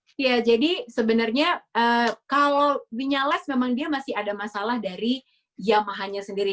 nah terus ya jadi sebenarnya kalau vinales memang dia masih ada masalah dari yamaha nya sendiri